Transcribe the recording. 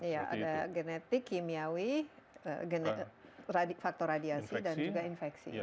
iya ada genetik kimiawi faktor radiasi dan juga infeksi